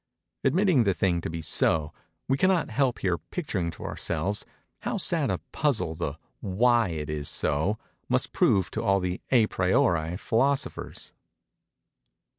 Admitting the thing to be so, we cannot help here picturing to ourselves how sad a puzzle the why it is so must prove to all à priori philosophers.